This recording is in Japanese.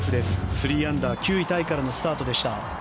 ３アンダー、９位タイからのスタートでした。